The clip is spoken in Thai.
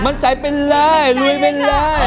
มั่นใจเป็นไรรวยเป็นไร